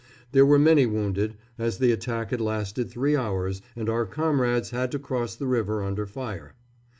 There were many wounded, as the attack had lasted three hours and our comrades had had to cross the river under fire.